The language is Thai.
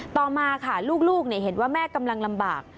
ต่อมาค่ะลูกเห็นว่าแม่กำลังลำบาก